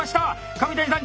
上谷さん